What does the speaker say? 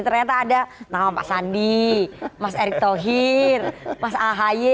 ternyata ada nama pak sandi mas erick thohir mas ahaye